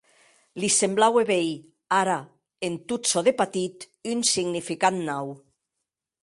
Li semblaue veir, ara, en tot çò de patit un significat nau.